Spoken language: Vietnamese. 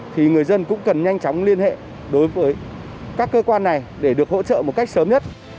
thì người dân cũng cần nhanh chóng liên hệ đối với các cơ quan này để được hỗ trợ một cách sớm nhất